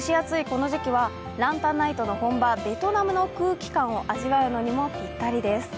この時期はランタンナイトの本場、ベトナムの空気感を味わうのにもピッタリです。